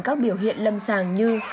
các biểu hiện lâm sàng như